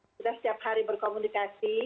kita setiap hari berkomunikasi